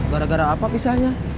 gara gara apa pisahnya